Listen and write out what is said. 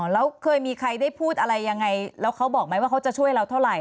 แล้วเคยมีใครได้พูดอะไรยังไงแล้วเขาบอกไหมว่าเขาจะช่วยเราเท่าไหร